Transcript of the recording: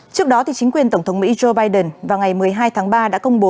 trước đó chính quyền tổng thống mỹ joe biden vào ngày một mươi hai tháng ba đã công bố